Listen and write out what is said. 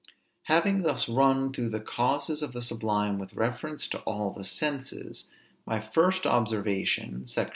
Having thus run through the causes of the sublime with reference to all the senses, my first observation (Sect.